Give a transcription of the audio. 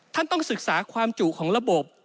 ต้องศึกษาความจุของระบบ